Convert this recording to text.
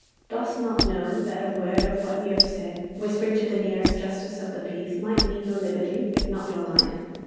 Dost not know that a word of what you have said, whispered to the nearest justice of the peace, might mean your liberty, if not your life?